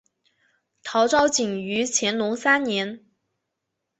陶绍景于乾隆三年。